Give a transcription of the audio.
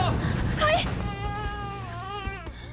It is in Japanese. はい！